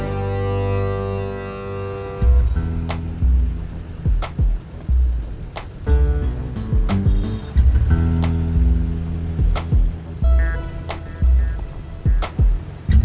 kenapa gak jadi